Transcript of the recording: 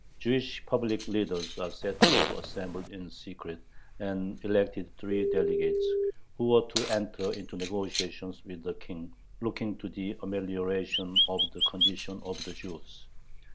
Jewish public leaders are said to have assembled in secret and elected three delegates, who were to enter into negotiations with the King looking to the amelioration of the condition of the Jews.